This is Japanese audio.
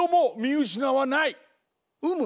うむ。